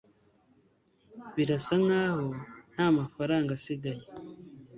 birasa nkaho ntamafaranga asigaye